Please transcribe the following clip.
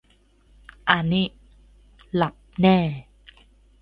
อ่านนี่ หลับแน่